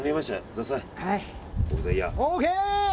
オーケー！